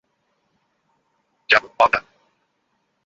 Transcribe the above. জাগো, অলগা।